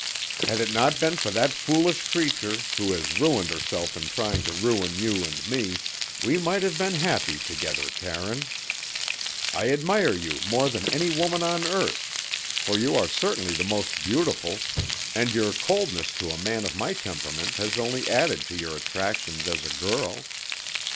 "Had it not been for that foolish creature, who has ruined herself in trying to ruin you and me, we might have been happy together, Karine. I admire you more than any woman on earth, for you are certainly the most beautiful, and your coldness to a man of my temperament has only added to your attractions as a girl.